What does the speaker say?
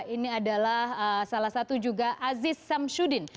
ini adalah salah satu juga aziz samsudin